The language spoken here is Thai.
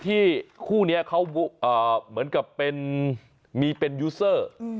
คู่นี้เขาเหมือนกับเป็นมีเป็นยูเซอร์